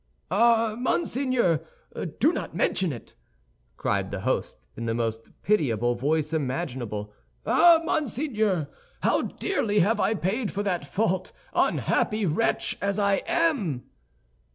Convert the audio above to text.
"Ah, monseigneur, do not mention it!" cried the host, in the most pitiable voice imaginable. "Ah, monseigneur, how dearly have I paid for that fault, unhappy wretch as I am!"